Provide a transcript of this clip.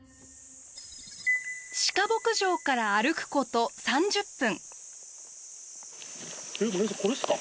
鹿牧場から歩くこと３０分。